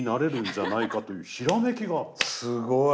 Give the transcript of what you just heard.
すごい。